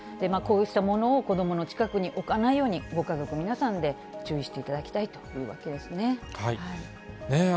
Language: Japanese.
こうしたものを子どもの近くに置かないように、ご家族の皆さんで注意していただきたいというわけですね。